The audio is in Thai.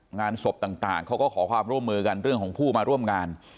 งานศพต่างเขาก็ขอความร่วมมือกันเรื่องของผู้มาร่วมงาน